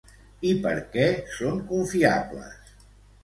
I per què són confiables?